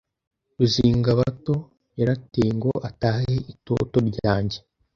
Ruzingabato yarateye Ngo atahe itoto ryange